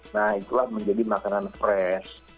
nah itulah menjadi makanan fresh